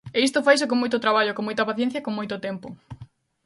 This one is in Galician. E isto faise con moito traballo, con moita paciencia e con moito tempo.